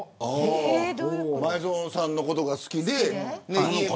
前園さんのことが好きで。